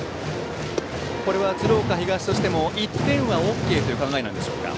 これは鶴岡東としても１点はＯＫという考えなんでしょうか。